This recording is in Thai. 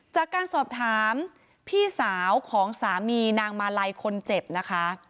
จากการสอบถามพี่สาวของสามีนางมาลัยคนเจ็บนะคะ